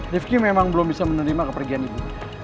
rifqi memang belum bisa menerima kepergian ibu